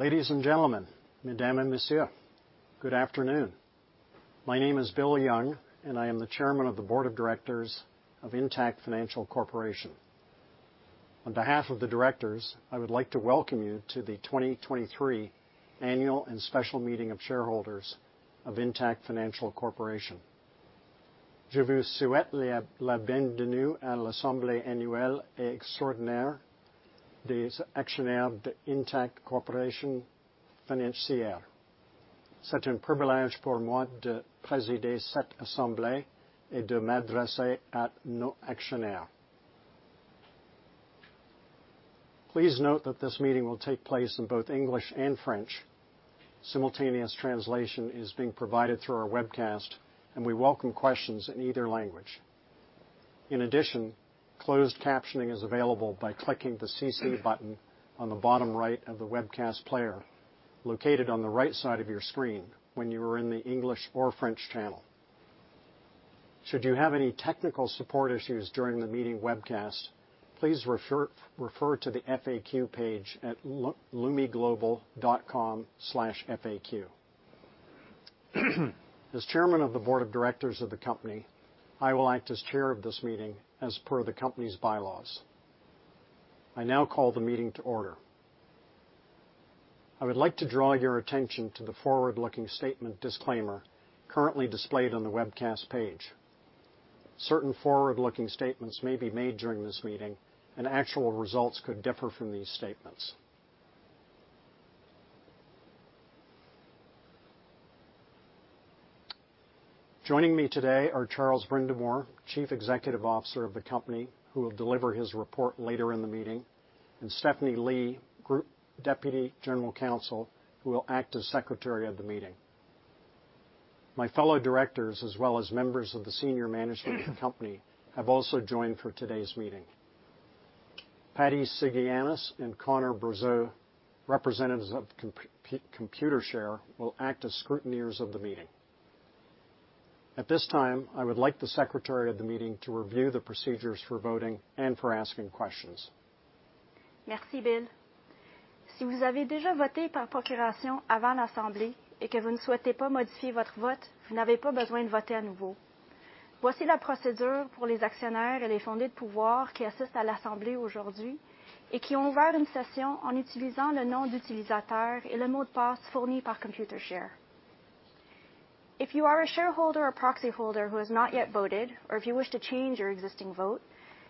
Ladies and gentlemen, mesdames et messieurs, good afternoon. My name is William Young, I am the chairman of the board of directors of Intact Financial Corporation. On behalf of the directors, I would like to welcome you to the 2023 Annual and Special Meeting of Shareholders of Intact Financial Corporation. Je vous souhaite la bienvenue à l'assemblée annuelle et extraordinaire des actionnaires d'Intact Corporation Financière. C'est un privilège pour moi de présider cette assemblée et de m'adresser à nos actionnaires. Please note that this meeting will take place in both English and French. Simultaneous translation is being provided through our webcast, we welcome questions in either language. In addition, closed captioning is available by clicking the CC button on the bottom right of the webcast player, located on the right side of your screen when you are in the English or French channel. Should you have any technical support issues during the meeting webcast, please refer to the FAQ page at lumiglobal.com/faq. As Chairman of the Board of Directors of the company, I will act as chair of this meeting as per the company's bylaws. I now call the meeting to order. I would like to draw your attention to the forward-looking statement disclaimer currently displayed on the webcast page. Certain forward-looking statements may be made during this meeting, and actual results could differ from these statements. Joining me today are Charles Brindamour, Chief Executive Officer of the company, who will deliver his report later in the meeting, and Stephanie Lee, Group Deputy General Counsel, who will act as secretary of the meeting. My fellow directors, as well as members of the senior management- company, have also joined for today's meeting. Patty Tsigounis and Connor Brazeau, representatives of Computershare, will act as scrutineers of the meeting. At this time, I would like the secretary of the meeting to review the procedures for voting and for asking questions. Merci, William. Si vous avez déjà voté par procuration avant l'assemblée et que vous ne souhaitez pas modifier votre vote, vous n'avez pas besoin de voter à nouveau. Voici la procédure pour les actionnaires et les fondés de pouvoir qui assistent à l'assemblée aujourd'hui et qui ont ouvert une session en utilisant le nom d'utilisateur et le mot de passe fournis par Computershare. If you are a shareholder or proxy holder who has not yet voted, or if you wish to change your existing vote,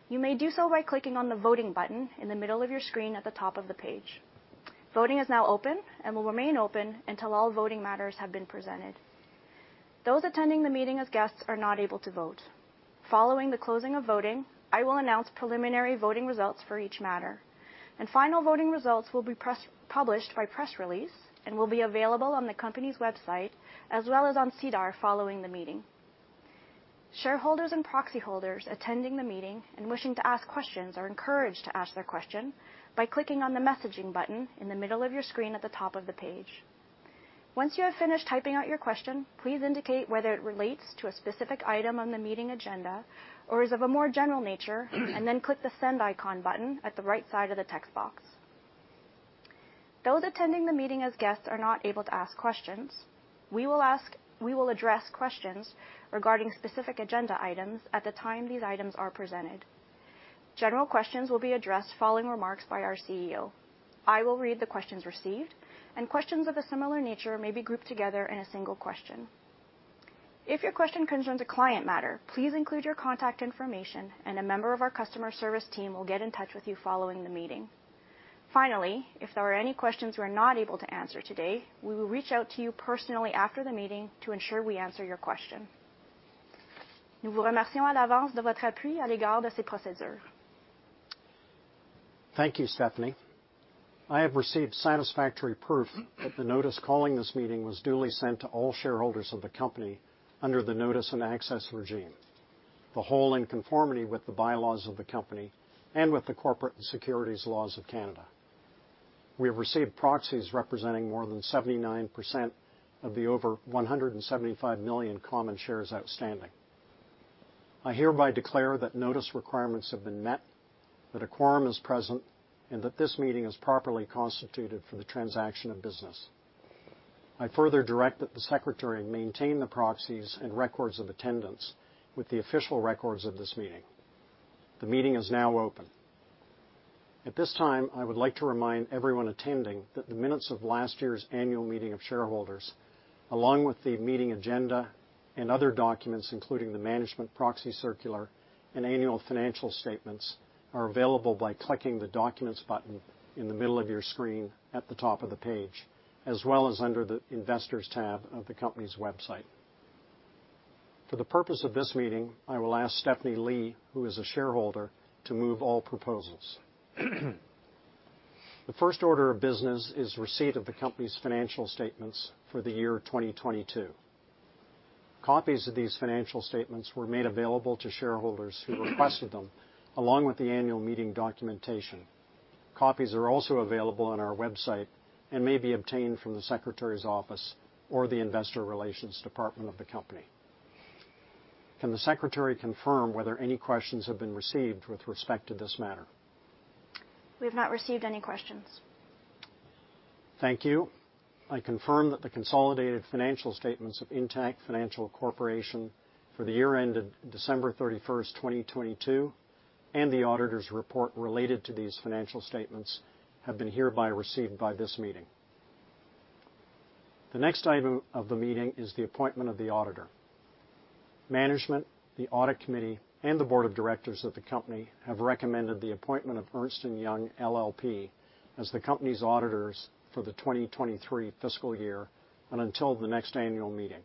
you may do so by clicking on the Voting button in the middle of your screen at the top of the page. Voting is now open and will remain open until all voting matters have been presented. Those attending the meeting as guests are not able to vote. Following the closing of voting, I will announce preliminary voting results for each matter, and final voting results will be published by press release and will be available on the company's website as well as on SEDAR following the meeting. Shareholders and proxy holders attending the meeting and wishing to ask questions are encouraged to ask their question by clicking on the Messaging button in the middle of your screen at the top of the page. Once you have finished typing out your question, please indicate whether it relates to a specific item on the meeting agenda or is of a more general nature, and then click the Send icon button at the right side of the text box. Those attending the meeting as guests are not able to ask questions. We will address questions regarding specific agenda items at the time these items are presented. General questions will be addressed following remarks by our CEO. I will read the questions received, and questions of a similar nature may be grouped together in a single question. If your question concerns a client matter, please include your contact information, and a member of our customer service team will get in touch with you following the meeting. Finally, if there are any questions we're not able to answer today, we will reach out to you personally after the meeting to ensure we answer your question. Nous vous remercions à l'avance de votre appui à l'égard de ces procédures. Thank you, Stephanie. I have received satisfactory proof that the notice calling this meeting was duly sent to all shareholders of the company under the notice and access regime, the whole in conformity with the bylaws of the company and with the corporate and securities laws of Canada. We have received proxies representing more than 79% of the over 175 million common shares outstanding. I hereby declare that notice requirements have been met, that a quorum is present, and that this meeting is properly constituted for the transaction of business. I further direct that the secretary maintains the proxies and records of attendance with the official records of this meeting. The meeting is now open. At this time, I would like to remind everyone attending that the minutes of last year's annual meeting of shareholders, along with the meeting agenda and other documents, including the management proxy circular and annual financial statements, are available by clicking the Documents button in the middle of your screen at the top of the page, as well as under the Investors tab of the company's website. For the purpose of this meeting, I will ask Stephanie Lee, who is a shareholder, to move all proposals. The first order of business is receipt of the company's financial statements for the year 2022. Copies of these financial statements were made available to shareholders who requested them, along with the annual meeting documentation. Copies are also available on our website and may be obtained from the secretary's office or the investor relations department of the company.... Can the secretary confirm whether any questions have been received with respect to this matter? We've not received any questions. Thank you. I confirm that the consolidated financial statements of Intact Financial Corporation for the year ended December 31, 2022, and the auditor's report related to these financial statements have been hereby received by this meeting. The next item of the meeting is the appointment of the auditor. Management, the audit committee, and the board of directors of the company have recommended the appointment of Ernst & Young LLP as the company's auditors for the 2023 fiscal year and until the next annual meeting.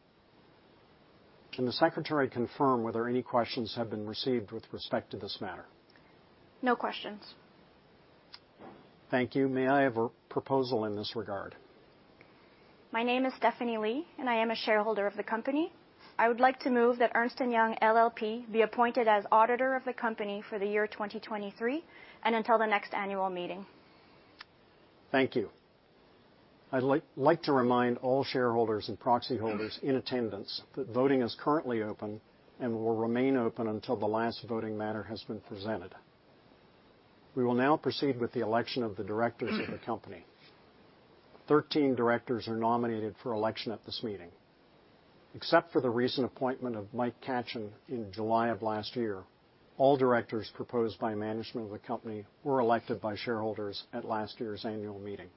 Can the secretary confirm whether any questions have been received with respect to this matter? No questions. Thank you. May I have a proposal in this regard? My name is Stephanie Lee, and I am a shareholder of the company. I would like to move that Ernst & Young LLP be appointed as auditor of the company for the year 2023 and until the next annual meeting. Thank you. I'd like to remind all shareholders and proxy holders in attendance that voting is currently open and will remain open until the last voting matter has been presented. We will now proceed with the election of the directors of the company. 13 directors are nominated for election at this meeting. Except for the recent appointment of Mike Katchen in July of last year, all directors proposed by management of the company were elected by shareholders at last year's annual meeting.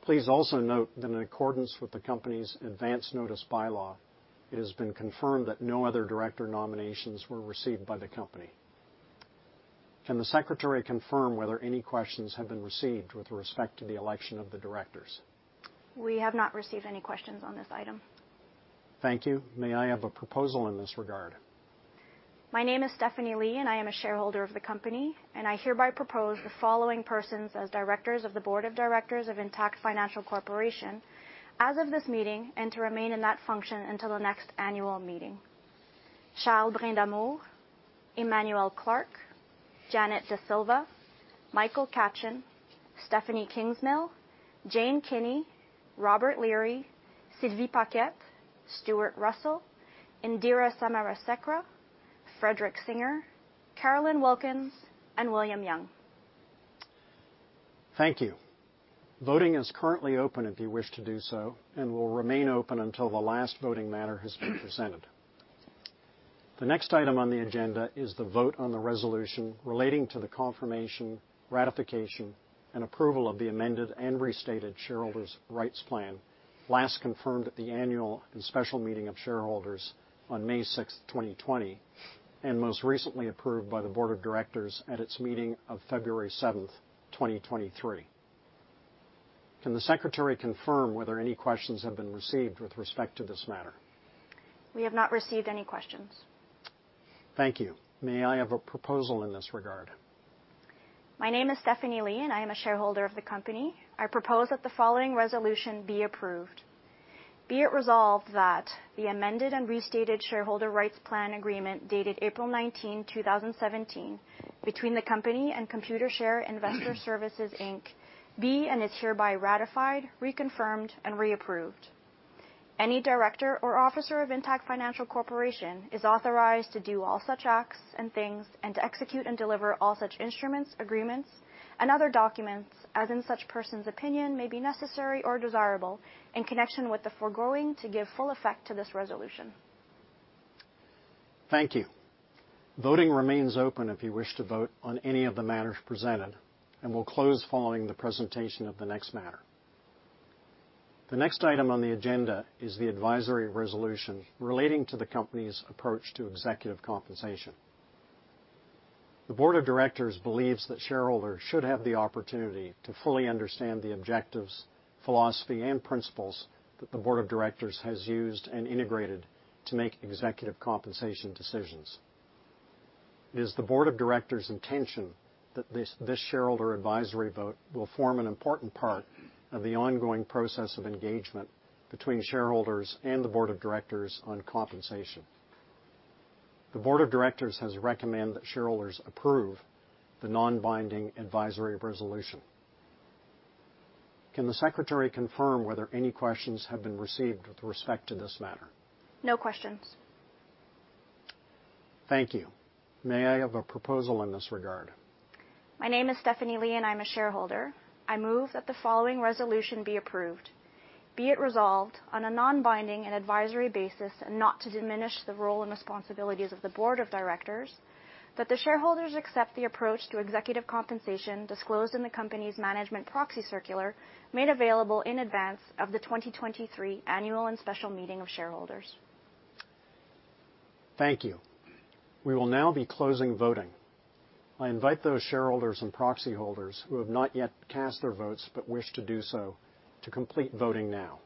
Please also note that in accordance with the company's advance notice bylaw, it has been confirmed that no other director nominations were received by the company. Can the secretary confirm whether any questions have been received with respect to the election of the directors? We have not received any questions on this item. Thank you. May I have a proposal in this regard? My name is Stephanie Lee, and I am a shareholder of the company, and I hereby propose the following persons as directors of the Board of Directors of Intact Financial Corporation as of this meeting, and to remain in that function until the next annual meeting: Charles Brindamour, Emmanuel Clarke, Janet De Silva, Michael Katchen, Stephanie Kingsmill, Jane Kinney, Robert Leary, Sylvie Paquette, Stuart Russell, Indira Samarasekera, Frederick Singer, Carolyn Wilkins, and William Young. Thank you. Voting is currently open if you wish to do so, and will remain open until the last voting matter has been presented. The next item on the agenda is the vote on the resolution relating to the confirmation, ratification, and approval of the amended and restated Shareholders' Rights Plan, last confirmed at the Annual and Special Meeting of Shareholders on May 6, 2020, and most recently approved by the Board of Directors at its meeting of February 7, 2023. Can the secretary confirm whether any questions have been received with respect to this matter? We have not received any questions. Thank you. May I have a proposal in this regard? My name is Stephanie Lee, and I am a shareholder of the company. I propose that the following resolution be approved. Be it resolved, that the amended and restated Shareholder Rights Plan Agreement, dated April 19, 2017, between the company and Computershare Investor Services Inc., be and is hereby ratified, reconfirmed, and reapproved. Any director or officer of Intact Financial Corporation is authorized to do all such acts and things and to execute and deliver all such instruments, agreements, and other documents as in such person's opinion may be necessary or desirable in connection with the foregoing, to give full effect to this resolution. Thank you. Voting remains open if you wish to vote on any of the matters presented and will close following the presentation of the next matter. The next item on the agenda is the advisory resolution relating to the company's approach to executive compensation. The board of directors believes that shareholders should have the opportunity to fully understand the objectives, philosophy, and principles that the board of directors has used and integrated to make executive compensation decisions. It is the board of directors' intention that this shareholder advisory vote will form an important part of the ongoing process of engagement between shareholders and the board of directors on compensation. The board of directors has recommended that shareholders approve the non-binding advisory resolution. Can the secretary confirm whether any questions have been received with respect to this matter? No questions. Thank you. May I have a proposal in this regard? My name is Stephanie Lee, and I'm a shareholder. I move that the following resolution be approved. Be it resolved on a non-binding and advisory basis, and not to diminish the role and responsibilities of the board of directors, that the shareholders accept the approach to executive compensation disclosed in the company's management proxy circular, made available in advance of the 2023 Annual and Special Meeting of Shareholders. Thank you. We will now be closing voting. I invite those shareholders and proxy holders who have not yet cast their votes but wish to do so, to complete voting now.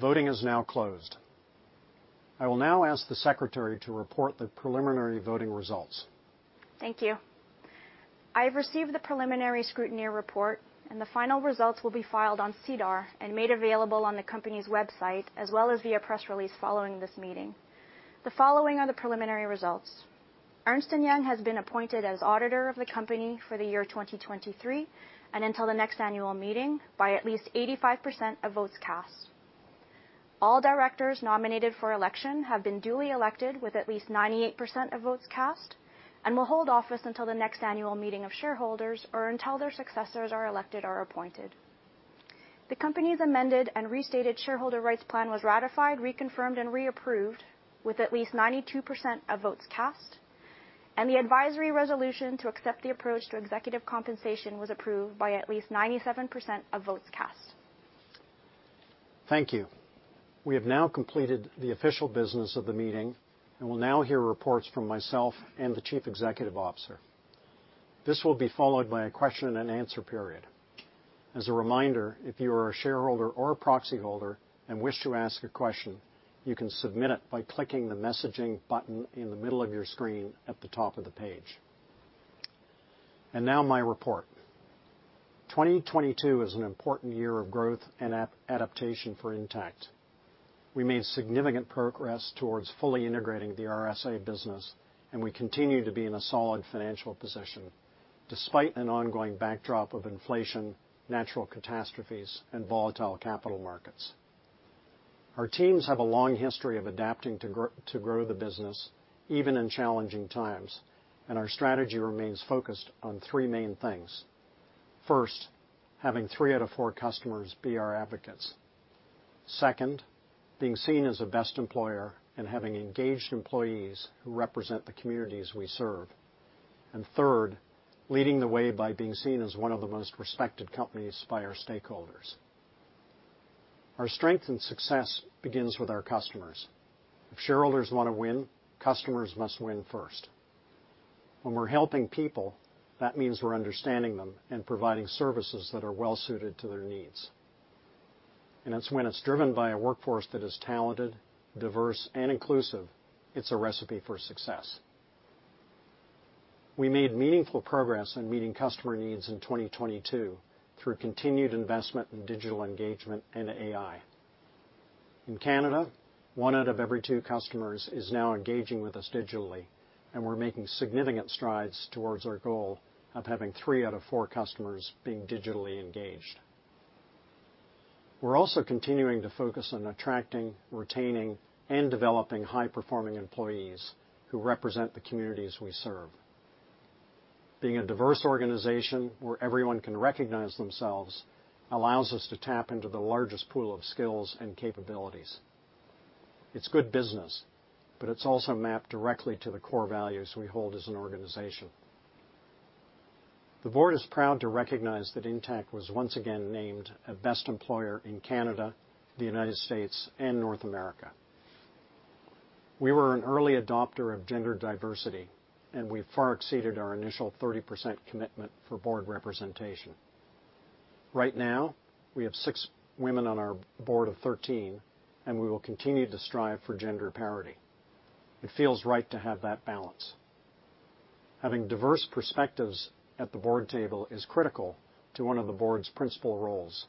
Voting is now closed. I will now ask the secretary to report the preliminary voting results. Thank you. I have received the preliminary scrutineer report, and the final results will be filed on SEDAR and made available on the company's website as well as via press release following this meeting. The following are the preliminary results. Ernst & Young has been appointed as auditor of the company for the year 2023 and until the next annual meeting by at least 85% of votes cast. All directors nominated for election have been duly elected with at least 98% of votes cast and will hold office until the next annual meeting of shareholders or until their successors are elected or appointed. The company's amended and restated Shareholders' Rights Plan was ratified, reconfirmed, and reapproved with at least 92% of votes cast, and the advisory resolution to accept the approach to executive compensation was approved by at least 97% of votes cast. Thank you. We have now completed the official business of the meeting and will now hear reports from myself and the chief executive officer. This will be followed by a question and answer period. As a reminder, if you are a shareholder or a proxy holder and wish to ask a question, you can submit it by clicking the messaging button in the middle of your screen at the top of the page. Now my report. 2022 is an important year of growth and adaptation for Intact. We made significant progress towards fully integrating the RSA business, and we continue to be in a solid financial position despite an ongoing backdrop of inflation, natural catastrophes, and volatile capital markets. Our teams have a long history of adapting to grow the business, even in challenging times, and our strategy remains focused on three main things. First, having three out of four customers be our advocates. Second, being seen as a best employer and having engaged employees who represent the communities we serve. Third, leading the way by being seen as one of the most respected companies by our stakeholders. Our strength and success begins with our customers. If shareholders want to win, customers must win first. When we're helping people, that means we're understanding them and providing services that are well-suited to their needs. It's when it's driven by a workforce that is talented, diverse, and inclusive, it's a recipe for success. We made meaningful progress in meeting customer needs in 2022 through continued investment in digital engagement and AI. In Canada, one out of every two customers are now engaging with us digitally, and we're making significant strides towards our goal of having 3 out of 4 customers being digitally engaged. We're also continuing to focus on attracting, retaining, and developing high-performing employees who represent the communities we serve. Being a diverse organization where everyone can recognize themselves allows us to tap into the largest pool of skills and capabilities. It's good business, but it's also mapped directly to the core values we hold as an organization. The board is proud to recognize that Intact was once again named a Best Employer in Canada, the United States, and North America. We were an early adopter of gender diversity, and we've far exceeded our initial 30% commitment for board representation. Right now, we have 6 women on our board of 13, and we will continue to strive for gender parity. It feels right to have that balance. Having diverse perspectives at the board table is critical to one of the board's principal roles,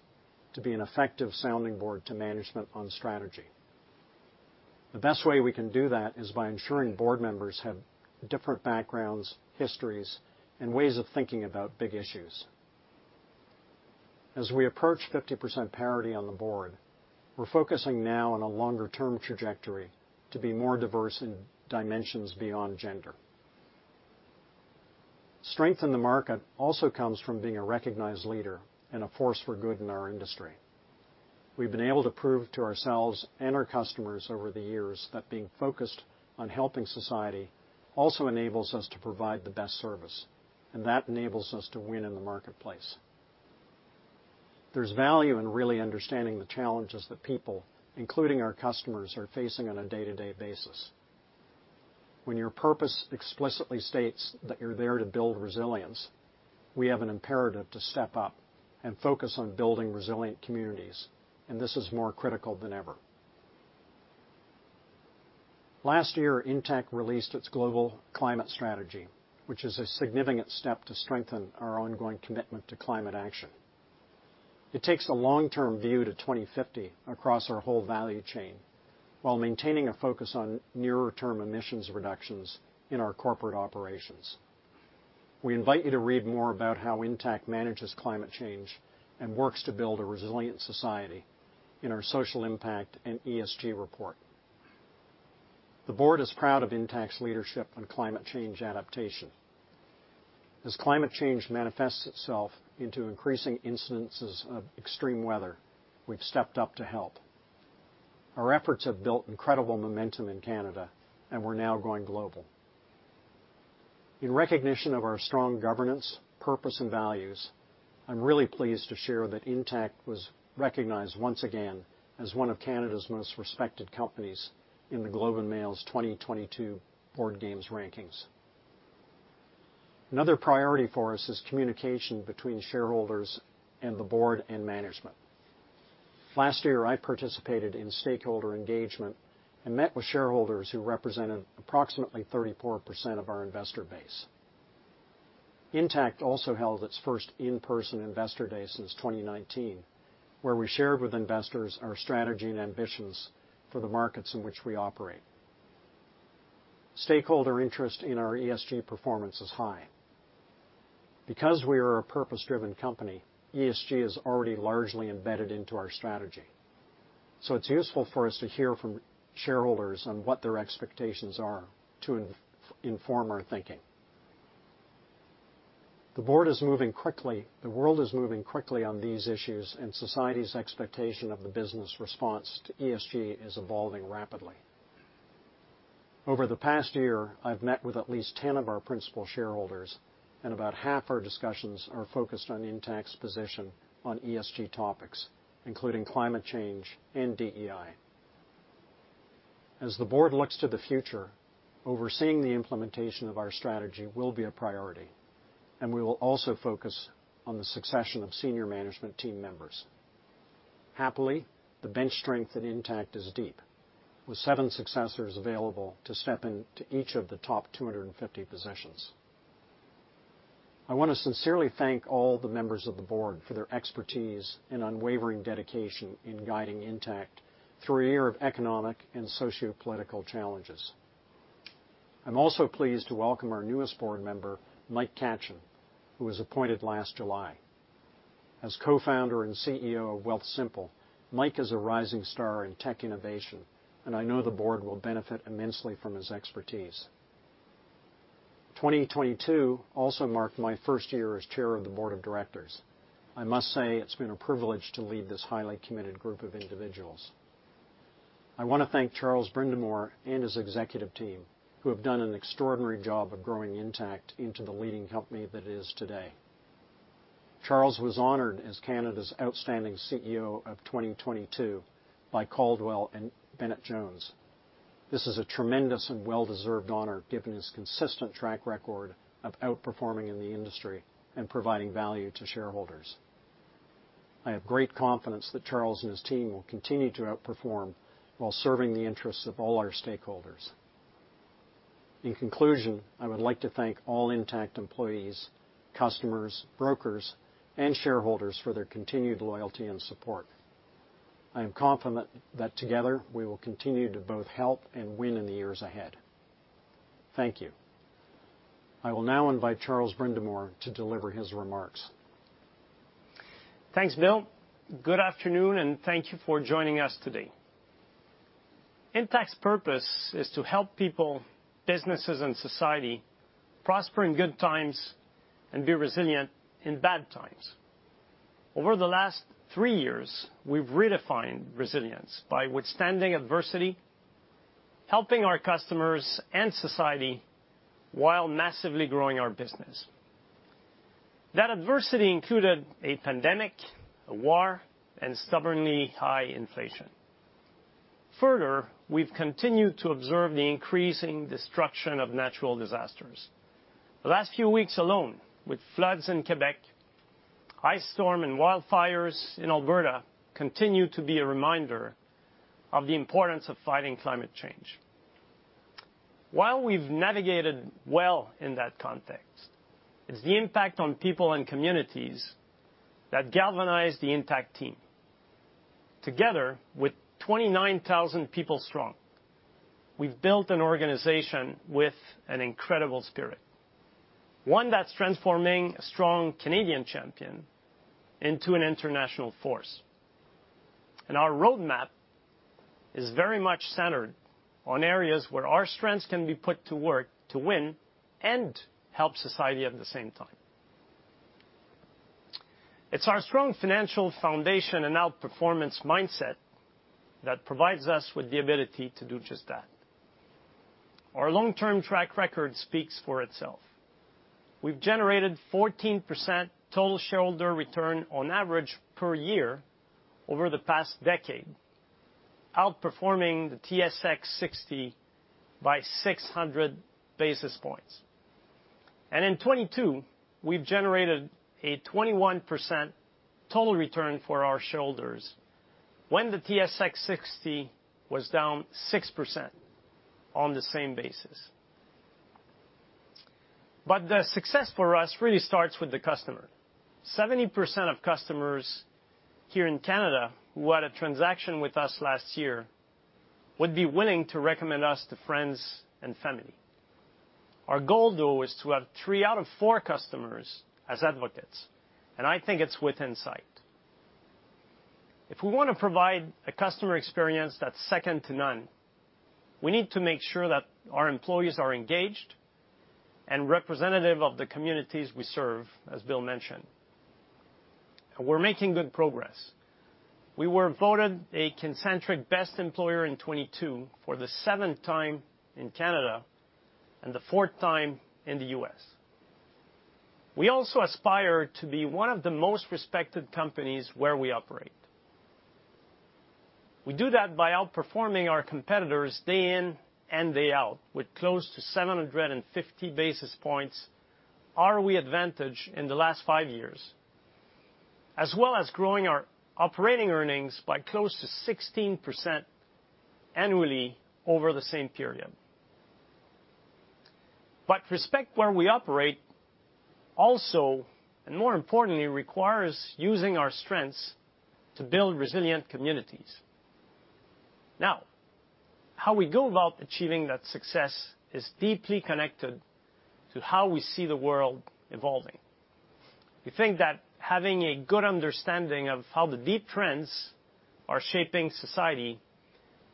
to be an effective sounding board to management on strategy. The best way we can do that is by ensuring board members have different backgrounds, histories, and ways of thinking about big issues. As we approach 50% parity on the board, we're focusing now on a longer-term trajectory to be more diverse in dimensions beyond gender. Strength in the market also comes from being a recognized leader and a force for good in our industry. We've been able to prove to ourselves and our customers over the years that being focused on helping society also enables us to provide the best service, and that enables us to win in the marketplace. There's value in really understanding the challenges that people, including our customers, are facing on a day-to-day basis. When your purpose explicitly states that you're there to build resilience, we have an imperative to step up and focus on building resilient communities. This is more critical than ever. Last year, Intact released its global climate strategy, which is a significant step to strengthen our ongoing commitment to climate action. It takes a long-term view to 2050 across our whole value chain while maintaining a focus on nearer-term emissions reductions in our corporate operations. We invite you to read more about how Intact manages climate change and works to build a resilient society in our social impact and ESG report. The board is proud of Intact's leadership on climate change adaptation. As climate change manifests itself into increasing incidences of extreme weather, we've stepped up to help. Our efforts have built incredible momentum in Canada. We're now going global. In recognition of our strong governance, purpose, and values, I'm really pleased to share that Intact was recognized once again as one of Canada's most respected companies in The Globe and Mail's 2022 Board Games rankings. Another priority for us is communication between shareholders and the board and management. Last year, I participated in stakeholder engagement and met with shareholders who represented approximately 34% of our investor base. Intact also held its first in-person investor day since 2019, where we shared with investors our strategy and ambitions for the markets in which we operate. Stakeholder interest in our ESG performance is high. Because we are a purpose-driven company, ESG is already largely embedded into our strategy, so it's useful for us to hear from shareholders on what their expectations are to inform our thinking. The board is moving quickly, the world is moving quickly on these issues, and society's expectation of the business response to ESG is evolving rapidly. Over the past year, I've met with at least 10 of our principal shareholders, and about half our discussions are focused on Intact's position on ESG topics, including climate change and DEI. As the board looks to the future, overseeing the implementation of our strategy will be a priority, and we will also focus on the succession of senior management team members. Happily, the bench strength at Intact is deep, with seven successors available to step into each of the top 250 positions. I want to sincerely thank all the members of the board for their expertise and unwavering dedication in guiding Intact through a year of economic and sociopolitical challenges. I'm also pleased to welcome our newest board member, Michael Katchen, who was appointed last July. As co-founder and CEO of Wealthsimple, Mike is a rising star in tech innovation, and I know the board will benefit immensely from his expertise. 2022 also marked my first year as chair of the board of directors. I must say, it's been a privilege to lead this highly committed group of individuals. I want to thank Charles Brindamour and his executive team, who have done an extraordinary job of growing Intact into the leading company that it is today. Charles was honored as Canada's Outstanding CEO of 2022 by Caldwell and Bennett Jones. This is a tremendous and well-deserved honor, given his consistent track record of outperforming in the industry and providing value to shareholders. I have great confidence that Charles and his team will continue to outperform while serving the interests of all our stakeholders. In conclusion, I would like to thank all Intact employees, customers, brokers, and shareholders for their continued loyalty and support. I am confident that together we will continue to both help and win in the years ahead. Thank you. I will now invite Charles Brindamour to deliver his remarks. Thanks, William. Good afternoon, thank you for joining us today. Intact's purpose is to help people, businesses, and society prosper in good times and be resilient in bad times. Over the last three years, we've redefined resilience by withstanding adversity, helping our customers and society, while massively growing our business. That adversity included a pandemic, a war, and stubbornly high inflation. Further, we've continued to observe the increasing destruction of natural disasters. The last few weeks alone, with floods in Quebec, ice storm and wildfires in Alberta, continue to be a reminder of the importance of fighting climate change. While we've navigated well in that context, it's the impact on people and communities that galvanized the Intact team. Together, with 29,000 people strong, we've built an organization with an incredible spirit, one that's transforming a strong Canadian champion into an international force. Our roadmap is very much centered on areas where our strengths can be put to work to win and help society at the same time. It's our strong financial foundation and outperformance mindset that provides us with the ability to do just that. Our long-term track record speaks for itself. We've generated 14% total shareholder return on average per year over the past decade, outperforming the S&P/TSX 60 by 600 basis points. In 2022, we've generated a 21% total return for our shareholders when the S&P/TSX 60 was down 6% on the same basis. The success for us really starts with the customer. 70% of customers here in Canada who had a transaction with us last year would be willing to recommend us to friends and family. Our goal, though, is to have three out of four customers as advocates, and I think it's within sight. If we want to provide a customer experience that's second to none, we need to make sure that our employees are engaged and representative of the communities we serve, as William mentioned, and we're making good progress. We were voted a Kincentric Best Employer in 2022 for the seventh time in Canada and the fourth time in the U.S. We also aspire to be one of the most respected companies where we operate. We do that by outperforming our competitors day in and day out, with close to 750 basis points ROE advantage in the last five years. as well as growing our operating earnings by close to 16% annually over the same period. Respect where we operate also, and more importantly, requires using our strengths to build resilient communities. Now, how we go about achieving that success is deeply connected to how we see the world evolving. We think that having a good understanding of how the deep trends are shaping society,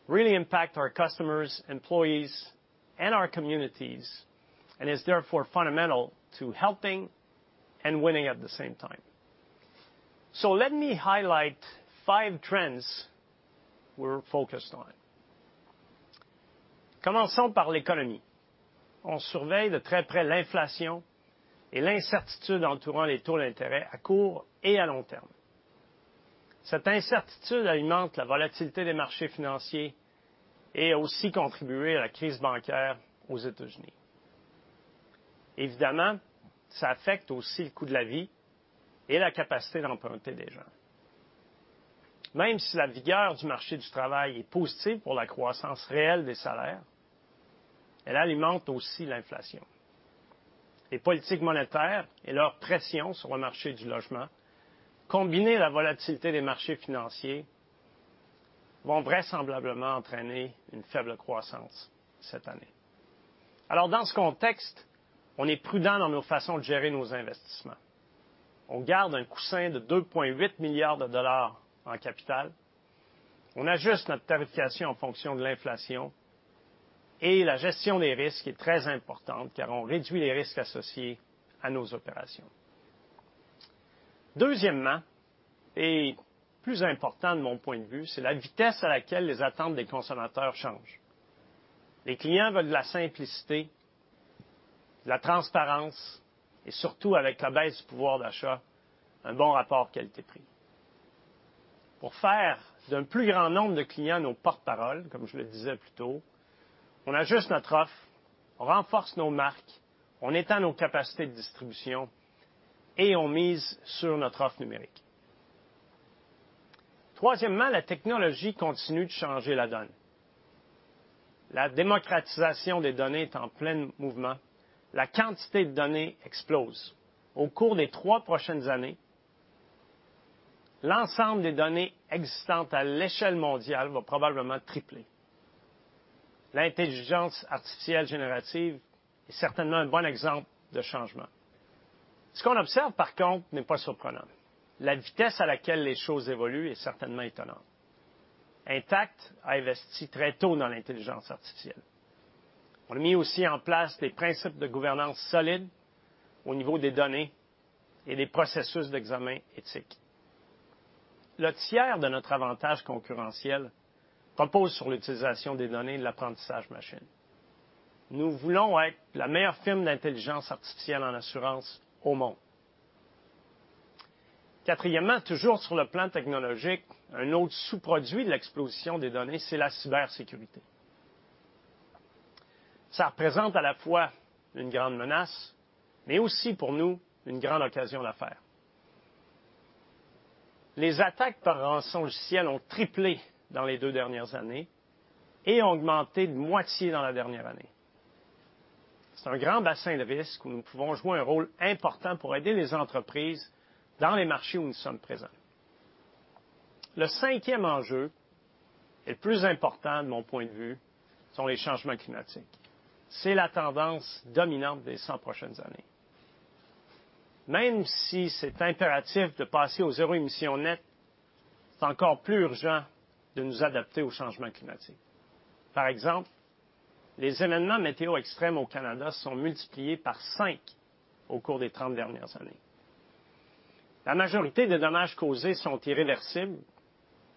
really impact our customers, employees, and our communities, and is therefore fundamental to helping and winning at the same time. Let me highlight five trends we're focused on. Commençons par l'économie. On surveille de très près l'inflation et l'incertitude entourant les taux d'intérêt à court et à long terme. Cette incertitude alimente la volatilité des marchés financiers et a aussi contribué à la crise bancaire aux États-Unis. Évidemment, ça affecte aussi le coût de la vie et la capacité d'emprunter des gens. Même si la vigueur du marché du travail est positive pour la croissance réelle des salaires, elle alimente aussi l'inflation. Les politiques monétaires et leur pression sur le marché du logement, combinées à la volatilité des marchés financiers, vont vraisemblablement entraîner une faible croissance cette année. Dans ce contexte, on est prudent dans nos façons de gérer nos investissements. On garde un coussin de 2.8 billion dollars en capital. On ajuste notre tarification en fonction de l'inflation et la gestion des risques est très importante, car on réduit les risques associés à nos opérations. Deuxièmement, et plus important de mon point de vue, c'est la vitesse à laquelle les attentes des consommateurs changent. Les clients veulent de la simplicité, de la transparence et surtout, avec la baisse du pouvoir d'achat, un bon rapport qualité-prix. Pour faire d'un plus grand nombre de clients nos porte-parole, comme je le disais plus tôt, on ajuste notre offre, on renforce nos marques, on étend nos capacités de distribution et on mise sur notre offre numérique. Troisièmement, la technologie continue de changer la donne. La démocratisation des données est en plein mouvement. La quantité de données explose. Au cours des 3 prochaines années, l'ensemble des données existantes à l'échelle mondiale va probablement tripler. L'intelligence artificielle générative est certainement un bon exemple de changement. Ce qu'on observe, par contre, n'est pas surprenant. La vitesse à laquelle les choses évoluent est certainement étonnante. Intact a investi très tôt dans l'intelligence artificielle. On a mis aussi en place des principes de gouvernance solides au niveau des données et des processus d'examen éthique. Le tiers de notre avantage concurrentiel repose sur l'utilisation des données et de l'apprentissage machine. Nous voulons être la meilleure firme d'intelligence artificielle en assurance au monde. Quatrièmement, toujours sur le plan technologique, un autre sous-produit de l'explosion des données, c'est la cybersécurité. Ça représente à la fois une grande menace, mais aussi, pour nous, une grande occasion d'affaires. Les attaques par rançongiciel ont triplé dans les deux dernières années et ont augmenté de moitié dans la dernière année. C'est un grand bassin de risque où nous pouvons jouer un rôle important pour aider les entreprises dans les marchés où nous sommes présents. Le cinquième enjeu, et plus important de mon point de vue, sont les changements climatiques. C'est la tendance dominante des 100 prochaines années. Même si c'est impératif de passer au zéro émission nette, c'est encore plus urgent de nous adapter aux changements climatiques. Par exemple, les événements météo extrêmes au Canada se sont multipliés par cinq au cours des 30 dernières années. La majorité des dommages causés sont irréversibles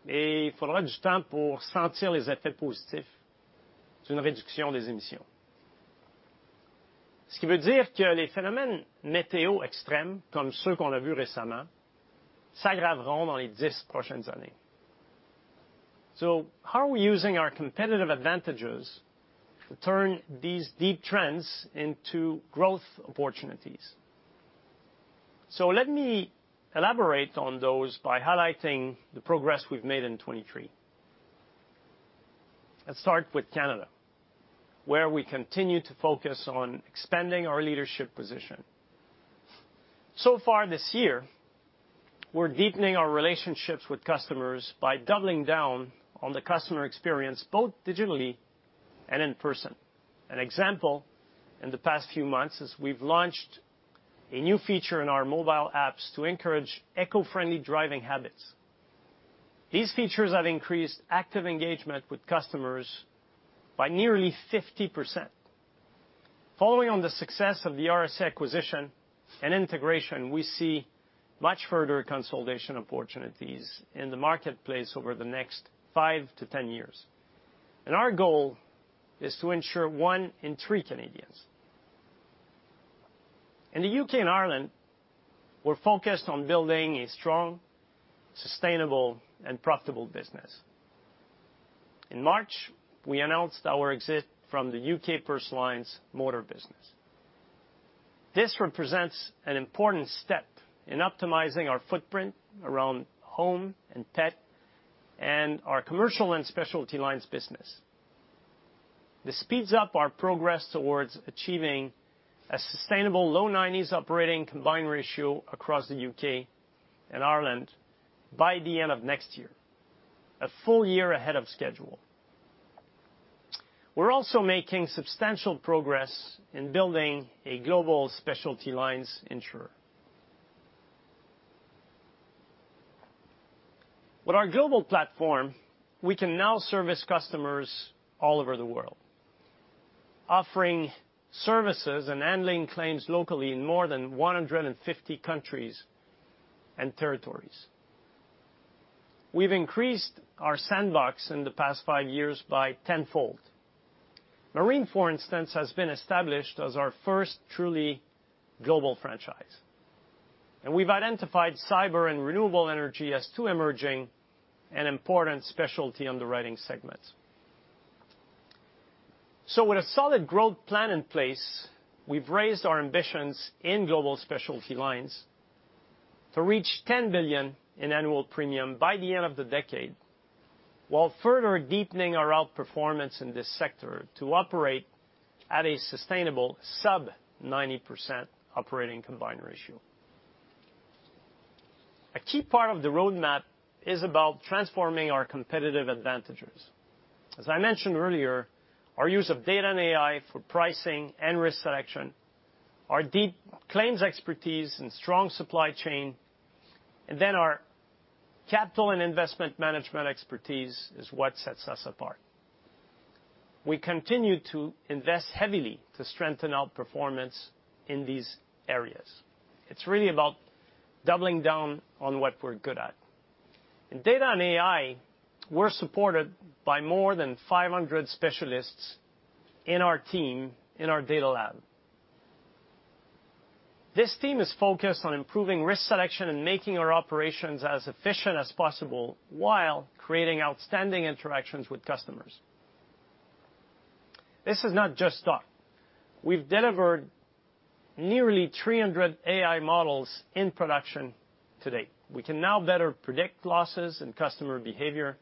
et il faudra du temps pour sentir les effets positifs d'une réduction des émissions. Ce qui veut dire que les phénomènes météo extrêmes, comme ceux qu'on a vus récemment, s'aggraveront dans les dix prochaines années. How are we using our competitive advantages to turn these deep trends into growth opportunities? Let me elaborate on those by highlighting the progress we've made in 23. Let's start with Canada, where we continue to focus on expanding our leadership position. Far this year, we're deepening our relationships with customers by doubling down on the customer experience, both digitally and in person. An example, in the past few months, is we've launched a new feature in our mobile apps to encourage eco-friendly driving habits. These features have increased active engagement with customers by nearly 50%. Following on the success of the RSA acquisition and integration, we see much further consolidation opportunities in the marketplace over the next 5 to 10 years. Our goal is to ensure 1 in 3 Canadians. In the U.K. and Ireland, we're focused on building a strong, sustainable, and profitable business.... In March, we announced our exit from the U.K. Personal Lines motor business. This represents an important step in optimizing our footprint around home and pet, and our commercial and specialty lines business. This speeds up our progress towards achieving sustainable low nineties operating combined ratio across the U.K. and Ireland by the end of next year, a full year ahead of schedule. We're also making substantial progress in building a global specialty lines insurer. With our global platform, we can now service customers all over the world, offering services and handling claims locally in more than 150 countries and territories. We've increased our sandbox in the past five years by tenfold. Marine, for instance, has been established as our first truly global franchise, and we've identified cyber and renewable energy as two emerging and important specialty underwriting segments. With a solid growth plan in place, we've raised our ambitions in global specialty lines to reach 10 billion in annual premium by the end of the decade, while further deepening our outperformance in this sector to operate at a sustainable sub 90% operating combined ratio. A key part of the roadmap is about transforming our competitive advantages. As I mentioned earlier, our use of data and AI for pricing and risk selection, our deep claims expertise and strong supply chain, and then our capital and investment management expertise is what sets us apart. We continue to invest heavily to strengthen our performance in these areas. It's really about doubling down on what we're good at. In data and AI, we're supported by more than 500 specialists in our team in our Data Lab. This team is focused on improving risk selection and making our operations as efficient as possible, while creating outstanding interactions with customers. This is not just talk. We've delivered nearly 300 AI models in production to date. We can now better predict losses and customer behavior,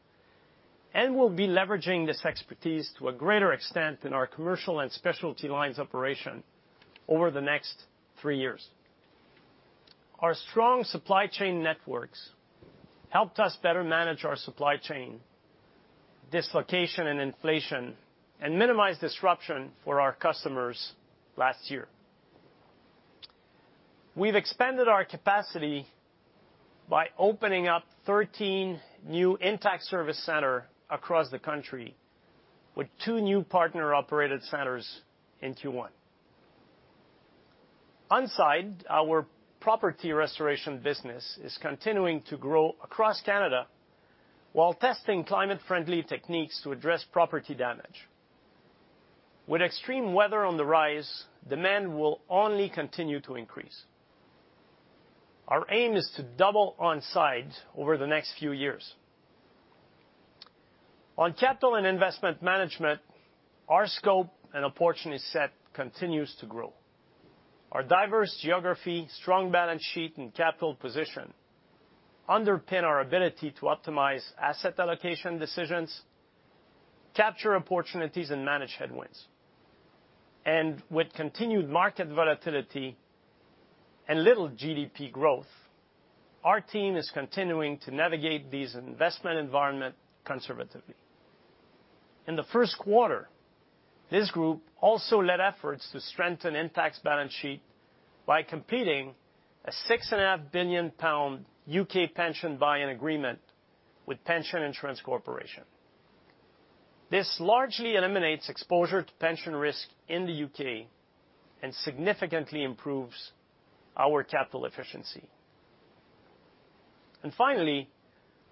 and we'll be leveraging this expertise to a greater extent in our commercial and specialty lines operation over the next three years. Our strong supply chain networks helped us better manage our supply chain, dislocation and inflation, and minimize disruption for our customers last year. We've expanded our capacity by opening up 13 new Intact Service Centre across the country, with two new partner-operated centers in Q1. Onsite, our property restoration business is continuing to grow across Canada while testing climate-friendly techniques to address property damage. With extreme weather on the rise, demand will only continue to increase. Our aim is to double Onsite over the next few years. On capital and investment management, our scope and opportunity set continues to grow. Our diverse geography, strong balance sheet, and capital position underpin our ability to optimize asset allocation decisions, capture opportunities, and manage headwinds. With continued market volatility and little GDP growth, our team is continuing to navigate this investment environment conservatively. In the first quarter, this group also led efforts to strengthen Intact's balance sheet by completing a six and a half billion pound UK pension buy-in agreement with Pension Insurance Corporation. This largely eliminates exposure to pension risk in the UK and significantly improves our capital efficiency. Finally,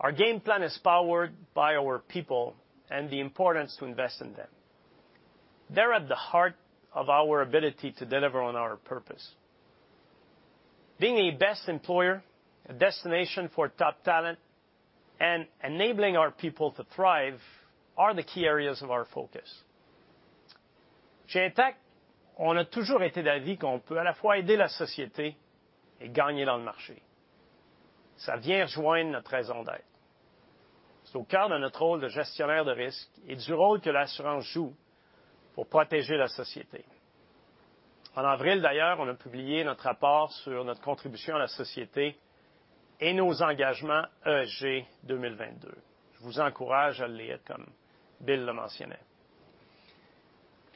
our game plan is powered by our people and the importance to invest in them. They're at the heart of our ability to deliver on our purpose. Being a best employer, a destination for top talent, and enabling our people to thrive are the key areas of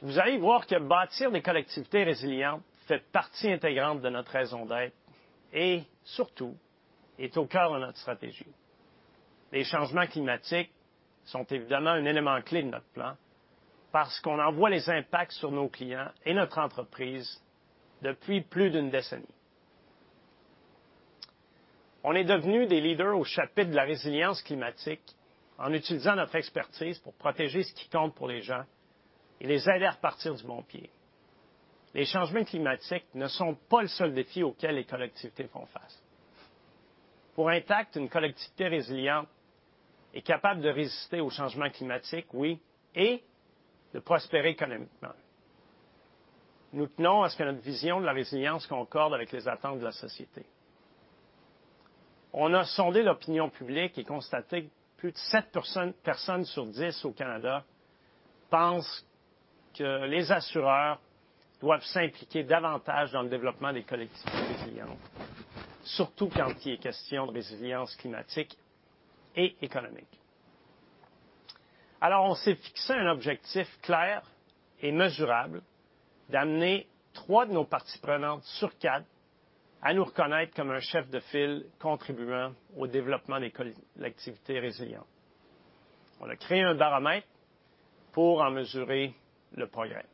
our focus.... for Intact, a collective résilient is capable of resisting to changement climatique, oui, et de prospérer économiquement. Nous tenons à ce que notre vision de la résilience concorde avec les attentes de la société. On a sondé l'opinion publique et constaté que plus de 7 personnes sur 10 au Canada pensent que les assureurs doivent s'impliquer davantage dans le développement des collectivités résilientes, surtout quand il est question de résilience climatique et économique. On s'est fixé un objectif clair et mesurable d'amener 3 de nos parties prenantes sur 4 à nous reconnaître comme un chef de file contribuant au développement des collectivités résilientes. On a créé un baromètre pour en mesurer le progrès.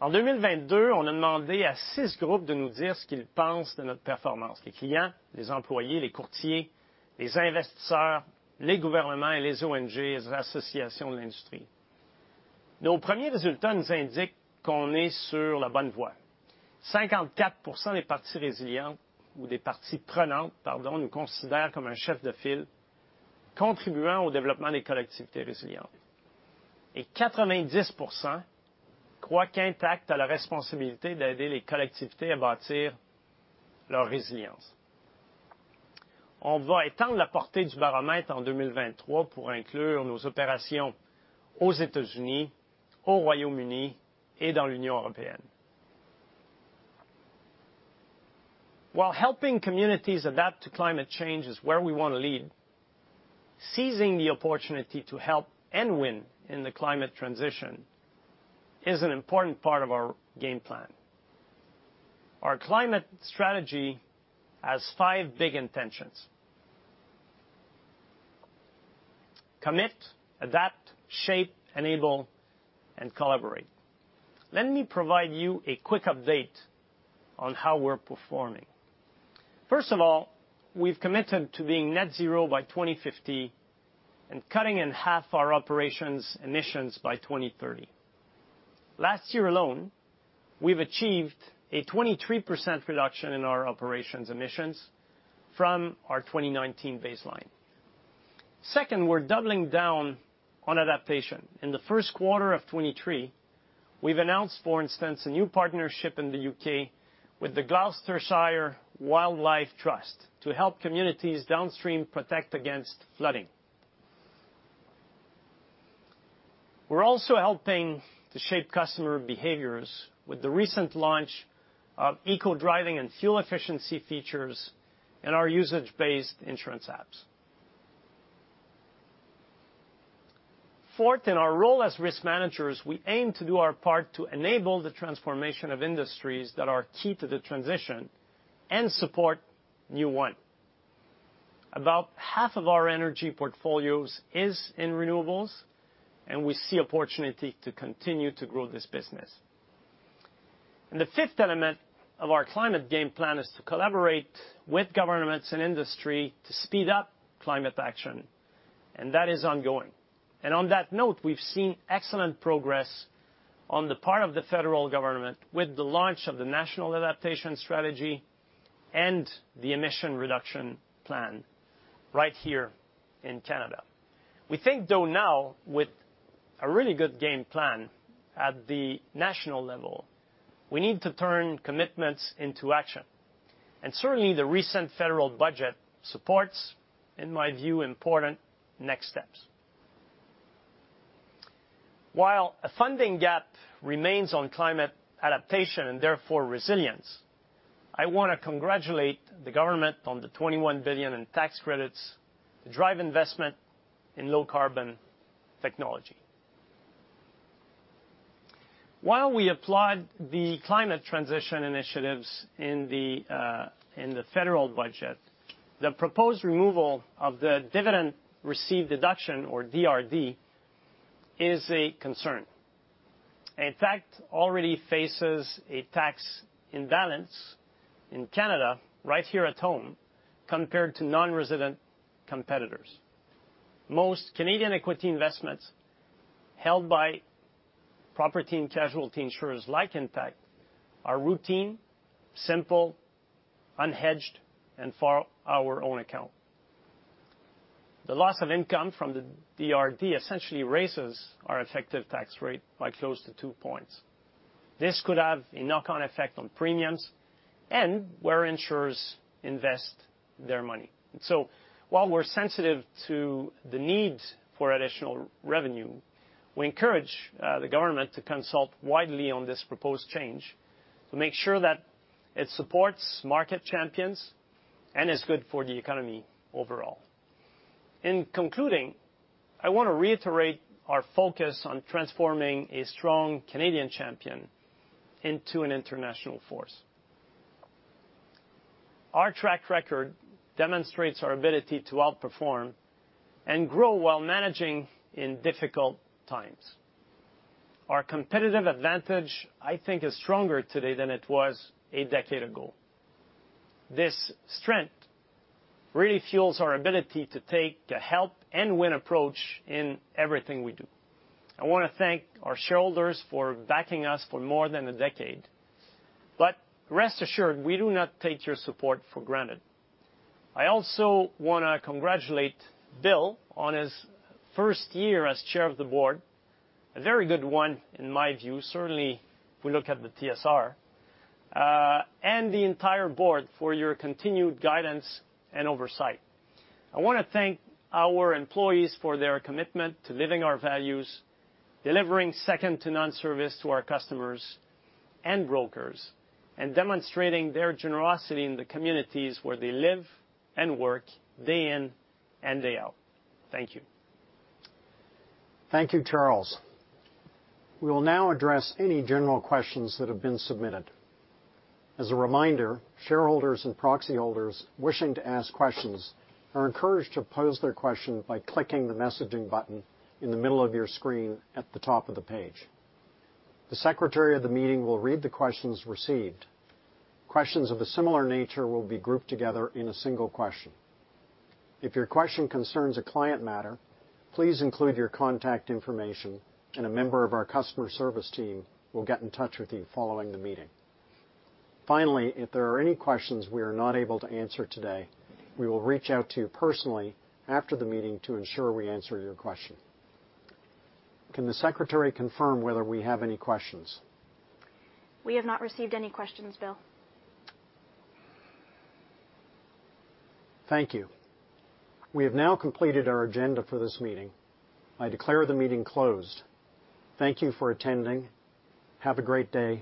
En 2022, on a demandé à 6 groupes de nous dire ce qu'ils pensent de notre performance. Les clients, les employés, les courtiers, les investisseurs, les gouvernements et les ONG, les associations de l'industrie. Nos premiers résultats nous indiquent qu'on est sur la bonne voie. Cinquante-quatre pour cent des parties résilientes ou des parties prenantes, pardon, nous considèrent comme un chef de file contribuant au développement des collectivités résilientes. 90% croient qu'Intact a la responsabilité d'aider les collectivités à bâtir leur résilience. On va étendre la portée du baromètre en 2023 pour inclure nos opérations aux États-Unis, au Royaume-Uni et dans l'Union européenne. While helping communities adapt to climate change is where we want to lead, seizing the opportunity to help and win in the climate transition is an important part of our game plan. Our climate strategy has five big intentions: commit, adapt, shape, enable, and collaborate. Let me provide you a quick update on how we're performing. First of all, we've committed to being net zero by 2050 and cutting in half our operations emissions by 2030. Last year alone, we've achieved a 23% reduction in our operations emissions from our 2019 baseline. Second, we're doubling down on adaptation. In the first quarter of 2023, we've announced, for instance, a new partnership in the UK with The Gloucestershire Wildlife Trust to help communities downstream protect against flooding. We're also helping to shape customer behaviors with the recent launch of eco-driving and fuel efficiency features in our Usage-Based Insurance apps. Fourth, in our role as risk managers, we aim to do our part to enable the transformation of industries that are key to the transition and support new one. About half of our energy portfolios is in renewables, we see opportunity to continue to grow this business. The fifth element of our climate game plan is to collaborate with governments and industry to speed up climate action, and that is ongoing. On that note, we've seen excellent progress on the part of the federal government with the launch of the National Adaptation Strategy and the Emissions Reduction Plan right here in Canada. We think, though, now, with a really good game plan at the national level, we need to turn commitments into action. Certainly, the recent federal budget supports, in my view, important next steps. While a funding gap remains on climate adaptation and therefore resilience, I want to congratulate the government on the 21 billion in tax credits to drive investment in low-carbon technology. While we applaud the climate transition initiatives in the federal budget, the proposed removal of the dividend received deduction, or DRD, is a concern. Intact already faces a tax imbalance in Canada, right here at home, compared to non-resident competitors. Most Canadian equity investments, held by property and casualty insurers like Intact, are routine, simple, unhedged, and for our own account. The loss of income from the DRD essentially raises our effective tax rate by close to two points. This could have a knock-on effect on premiums and where insurers invest their money. While we're sensitive to the need for additional revenue, we encourage the government to consult widely on this proposed change to make sure that it supports market champions and is good for the economy overall. In concluding, I want to reiterate our focus on transforming a strong Canadian champion into an international force. Our track record demonstrates our ability to outperform and grow while managing in difficult times. Our competitive advantage, I think, is stronger today than it was a decade ago. This strength really fuels our ability to take a help-and-win approach in everything we do. I want to thank our shareholders for backing us for more than a decade. Rest assured, we do not take your support for granted. I also want to congratulate William on his first year as chair of the board, a very good one, in my view. Certainly, if we look at the TSR, and the entire board for your continued guidance and oversight. I want to thank our employees for their commitment to living our values, delivering second-to-none service to our customers and brokers, and demonstrating their generosity in the communities where they live and work, day in and day out. Thank you. Thank you, Charles. We will now address any general questions that have been submitted. As a reminder, shareholders and proxy holders wishing to ask questions are encouraged to pose their question by clicking the messaging button in the middle of your screen at the top of the page. The secretary of the meeting will read the questions received. Questions of a similar nature will be grouped together in a single question. If your question concerns a client matter, please include your contact information, and a member of our customer service team will get in touch with you following the meeting. If there are any questions, we are not able to answer today, we will reach out to you personally after the meeting to ensure we answer your question. Can the secretary confirm whether we have any questions? We have not received any questions, William. Thank you. We have now completed our agenda for this meeting. I declare the meeting closed. Thank you for attending. Have a great day.